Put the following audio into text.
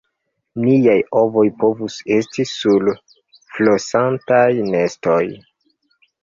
"Niaj ovoj povus esti sur flosantaj nestoj!"